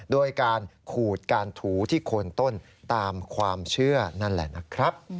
โดยการขูดการถูที่โคนต้นตามความเชื่อนั่นแหละนะครับ